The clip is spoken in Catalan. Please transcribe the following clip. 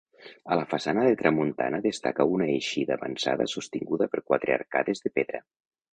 A la façana de tramuntana, destaca una eixida avançada sostinguda per quatre arcades de pedra.